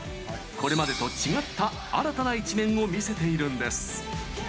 これまでと違った新たな一面を見せているんです。